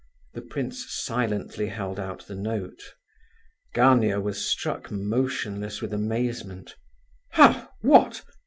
The prince silently held out the note. Gania was struck motionless with amazement. "How, what?